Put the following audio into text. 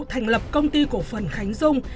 thành lập công ty cổ phần khánh dung